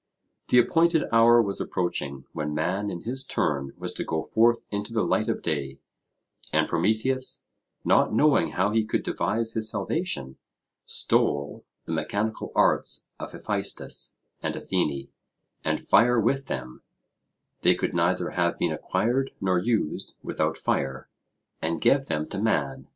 The appointed hour was approaching when man in his turn was to go forth into the light of day; and Prometheus, not knowing how he could devise his salvation, stole the mechanical arts of Hephaestus and Athene, and fire with them (they could neither have been acquired nor used without fire), and gave them to man.